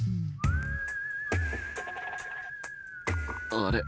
あれ？